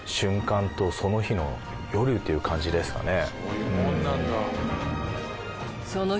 そういうもんなんだ。